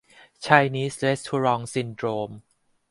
ไชนีสเรสทัวรองซินโดรม